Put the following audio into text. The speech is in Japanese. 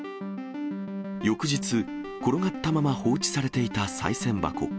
翌日、転がったまま放置されていたさい銭箱。